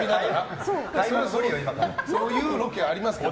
そういうロケありますけど。